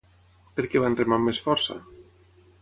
Per què van remar amb més força?